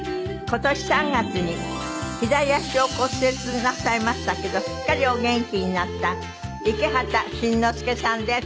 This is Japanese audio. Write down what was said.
今年３月に左足を骨折なさいましたけどすっかりお元気になった池畑慎之介さんです。